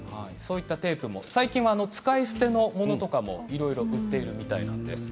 最近は使い捨てのものとかも売っているみたいです。